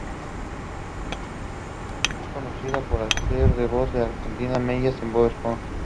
Es conocida por hacer de voz de Arenita Mejillas en "Bob Esponja".